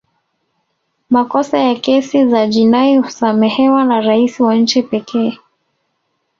makosa ya kesi za jinai husamehewa na rais wa nchi pekee